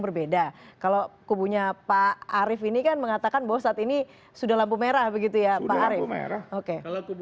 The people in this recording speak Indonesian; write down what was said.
berbeda kalau kubunya pak arief ini kan mengatakan bahwa saat ini sudah lampu merah begitu ya pak arief oke kalau